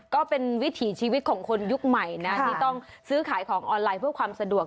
ก็เป็นวิถีชีวิตของคนยุคใหม่นะที่ต้องซื้อขายของออนไลน์เพื่อความสะดวก